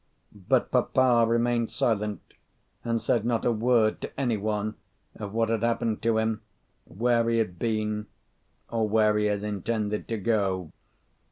But papa remained silent, and said not a word to any one of what had happened to him, where he had been, or where he had intended to go.